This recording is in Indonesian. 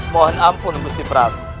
mohon ampun gusti prabu